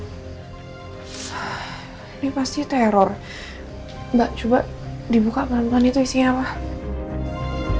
ini pasti teror mbak coba dibuka teman teman itu isinya apa